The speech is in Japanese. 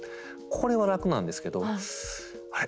これは楽なんですけど「あれ？